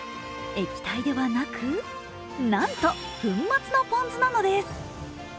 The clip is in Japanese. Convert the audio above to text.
液体ではなく、なんと粉末のポン酢なのです。